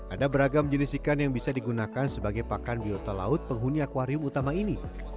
ada beragam jenis ikan yang bisa digunakan sebagai pakan biota laut penghuni akwarium utama ini